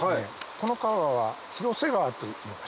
この川は広瀬川といいまして。